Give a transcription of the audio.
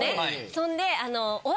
そんで。